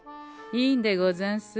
いいんでござんす。